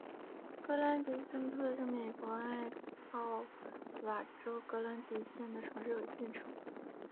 格兰迪森特是美国艾奥瓦州格兰迪县的城市和县城。